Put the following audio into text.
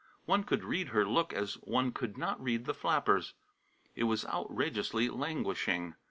One could read her look as one could not read the flapper's. It was outrageously languishing.